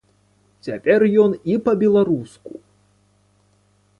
Цяпер ён і па-беларуску!